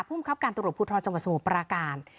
ภูมิครับการตรวจภูทรจังหวัดสมุทรปราการ